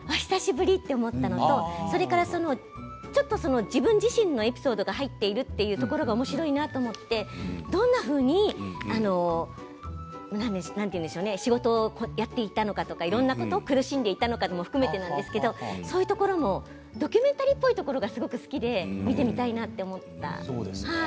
私的には久しぶりと思ったのとちょっと自分自身のエピソードが入っているというところがおもしろいなと思ってどんなふうに仕事をやっていたのかどんなことが苦しめたのかも含めてですけれどドキュメンタリーっぽいものがすごく好きで見てみたいと思っていました。